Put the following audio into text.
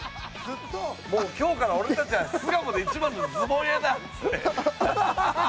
「もう今日から俺たちは巣鴨で１番のズボン屋だ！」っつって。